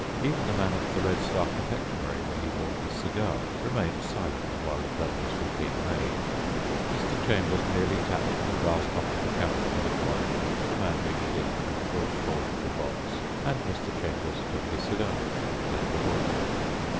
Even the man at the Red Star confectionery, where he bought his cigar, remained silent while the purchase was being made. Mr. Chambers merely tapped on the glass top of the counter with a coin, the man reached in and brought forth the box, and Mr. Chambers took his cigar. That was all.